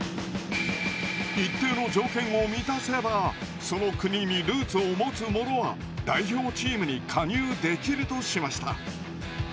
一定の条件を満たせばその国にルーツを持つ者は代表チームに加入できるとしました。